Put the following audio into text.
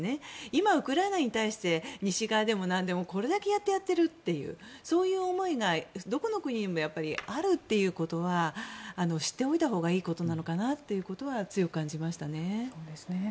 今、ウクライナに対して西側でもなんでもこれだけやってやってるというそういう思いがどこの国にもあるということは知っておいたほうがいいことなのかなと強く感じましたね。